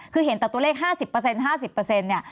คือเห็นแต่ตัวเลข๕๐๕๐เนี่ย